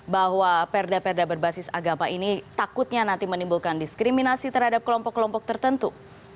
bahwa perda perda berbasis agama ini takutnya nanti menimbulkan diskriminasi terhadap kelompok kelompok tertentu